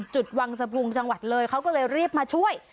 จุดวังสะพุงจังหวัดเลยเขาก็เลยรีบมาช่วย